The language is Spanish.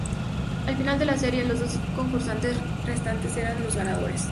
Al final de la serie, los dos concursantes restantes eran los ganadores.